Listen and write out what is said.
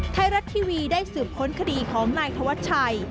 ไทยรัฐทีวีได้สืบค้นคดีของนายธวัชชัย